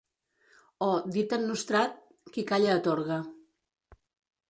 O, dit en nostrat: qui calla atorga.